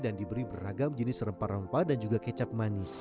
dan diberi beragam jenis rempah rempah dan juga kecap manis